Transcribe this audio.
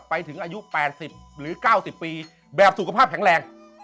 ไปถึงอายุ๘๐หรือ๙๐ปีแบบสุขภาพแข็งแรง